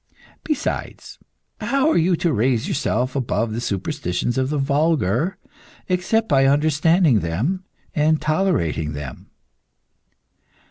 Besides, how are you to raise yourself above the superstitions of the vulgar, except by understanding them and tolerating them?